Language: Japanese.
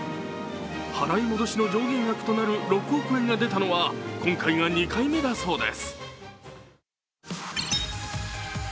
払い戻しの上限額となる６億円が出たのは今回が２回目だそうです。